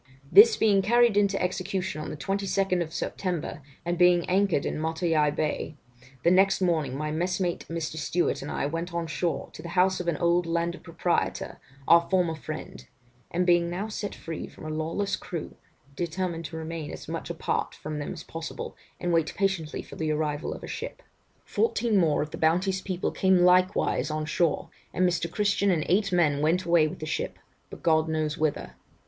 'This being carried into execution on the 22nd September, and having anchored in Matavai bay, the next morning my messmate (Mr. Stewart) and I went on shore, to the house of an old landed proprietor, our former friend; and being now set free from a lawless crew, determined to remain as much apart from them as possible, and wait patiently for the arrival of a ship. Fourteen more of the Bounty's people came likewise on shore, and Mr. Christian and eight men went away with the ship, but God knows whither.